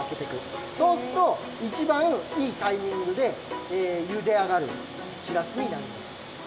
そうすっといちばんいいタイミングでゆであがるしらすになります。